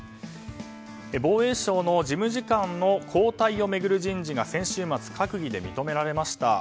防衛省の事務次官の交代を巡る人事が先週末、閣議で認められました。